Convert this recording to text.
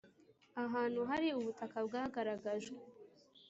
Ahantu hari ubutaka bwagaragajwe